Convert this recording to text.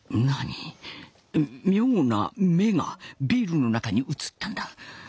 何妙な眼がビールの中に映ったんだ。